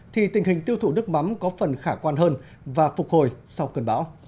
thì tình hình tiêu thụ nước mắm có phần khả quan hơn và phục hồi sau cơn bão